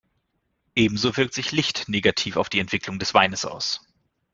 Ebenso wirkt sich Licht negativ auf die Entwicklung des Weines aus.